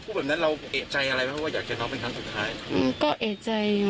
อืมก็เอกใจ